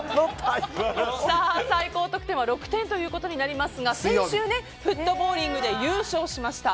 最高得点は６点となりますが先週、フットボウリングで優勝しました。